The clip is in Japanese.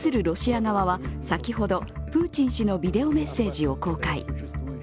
ロシア側は先ほど、プーチン氏のビデオメッセージを公開。